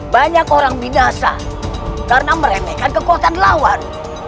banyak orang minasa karena meremehkan kekuatan lawan